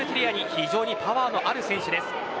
非常にパワーのある選手です。